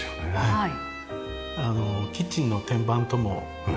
はい。